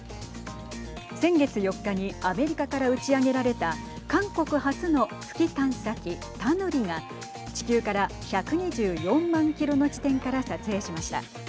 先月４日にアメリカから打ち上げられた韓国初の月探査機、タヌリが地球から１２４万キロの地点から撮影しました。